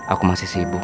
aku masih sibuk